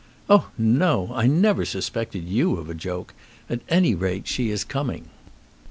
"Oh, no! I never suspected you of a joke. At any rate she is coming."